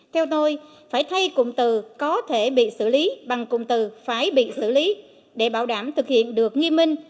theo tôi phải thay cùng từ có thể bị xử lý bằng cùng từ phải bị xử lý để bảo đảm thực hiện được nghi minh